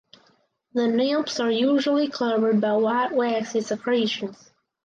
The nymphs are usually covered by white waxy secretions.